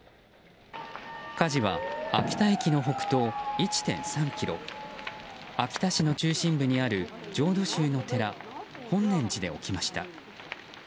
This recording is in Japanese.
火事は秋田駅の北東１．３ｋｍ秋田市の中心部にある浄土宗の寺本念寺で起きました。